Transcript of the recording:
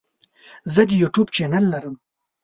زه د یوټیوب چینل لرم.